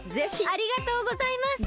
ありがとうございます！